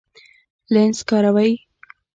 لینز کاروئ؟